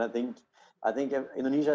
dan saya pikir indonesia